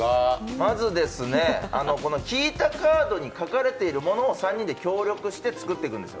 まず引いたカードに書かれているものを３人で協力して作っていくんですよ。